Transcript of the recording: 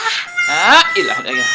hah ilah assalamualaikum